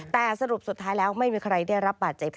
แต่สรุปสุดท้ายแล้วไม่มีใครได้รับบาดเจ็บ